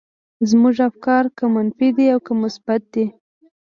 زموږ افکار که منفي دي او که مثبت دي.